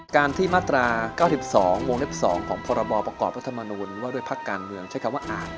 การที่มาตรา๙๒วงเล็บ๒ของพรบประกอบรัฐมนูลว่าด้วยพักการเมืองใช้คำว่าอ่าน